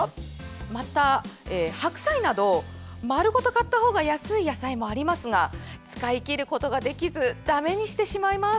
白菜など、丸ごと買った方が安い野菜もありますが使い切ることができずだめにしてしまいます。